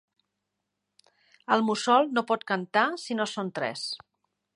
El mussol no pot cantar si no són tres.